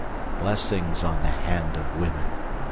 Blessings on the hand of women!